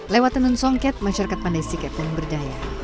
lewat tenun songket masyarakat pandai sike pun berdaya